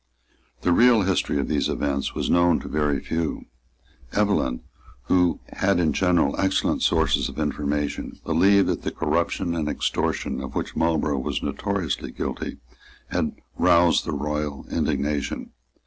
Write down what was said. The real history of these events was known to very few. Evelyn, who had in general excellent sources of information, believed that the corruption and extortion of which Marlborough was notoriously guilty had roused the royal indignation.